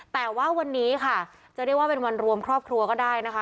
แต่ว่าวันนี้ค่ะจะเรียกว่าเป็นวันรวมครอบครัวก็ได้นะคะ